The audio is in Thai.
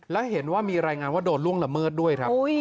และเห็นว่ามีรายงานว่าโดนล่วงละเมิดด้วยครับ